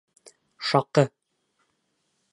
Шаҡы!